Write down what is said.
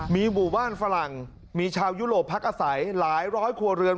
มีหมู่บ้านฝรั่งมีชาวยุโรปพักอาศัยหลายร้อยครัวเรือน